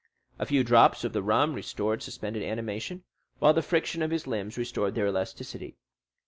A few drops of the rum restored suspended animation, while the friction of his limbs restored their elasticity.